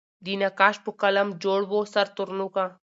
د نقاش په قلم جوړ وو سر ترنوکه